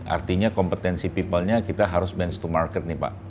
artinya kompetensi people nya kita harus bench to market nih pak